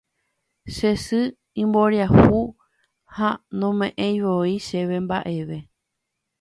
Che sy imboriahu ha nome'ẽivoi chéve mba'eve